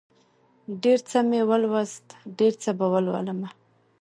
ډېر څه مې ولوست، ډېر څه به ولولمه